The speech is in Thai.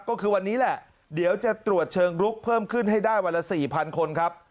ก็คือวันนี้แหละเดี๋ยวจะตรวจเชิงลุกเพิ่มขึ้นให้ได้วันละ๔๐๐คนครับ